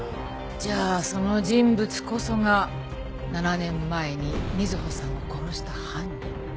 じゃあその人物こそが７年前に瑞穂さんを殺した犯人。